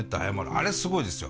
あれすごいですよ。